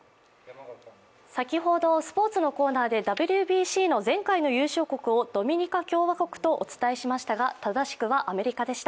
先ほどスポーツのコーナーでＷＢＣの前回の優勝国をドミニカ共和国とお伝えしましたが正しくはアメリカでした。